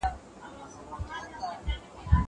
په قرآن کريم کي د انبياوو قصې د عبرت لپاره ذکر سوي دي.